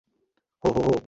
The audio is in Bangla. হো, হো, হো!